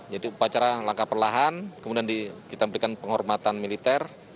jadi upacara langkah perlahan kemudian kita memberikan penghormatan militer